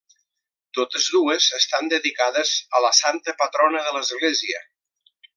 Totes dues estan dedicades a la santa patrona de l'església.